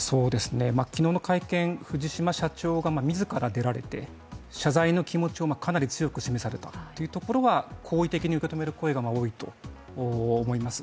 昨日の会見、藤島社長が自ら出られて謝罪の気持ちをかなり強く示されたというところは好意的に受け止める声が多いと思います。